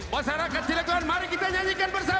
masyarakat cilegon mari kita nyanyikan bersama